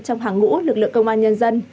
trong hàng ngũ lực lượng công an nhân dân